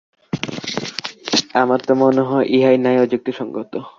আমার তো মনে হয়, ইহাই ন্যায় ও যুক্তিসঙ্গত।